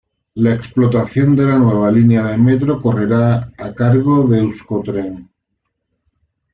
La explotación de la nueva línea de Metro correrá a cargo de Euskotren.